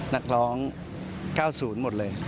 นักร้องเก้าศูนย์หมดเลย